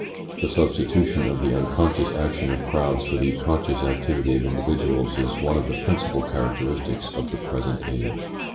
The substitution of the unconscious action of crowds for the conscious activity of individuals is one of the principal characteristics of the present age.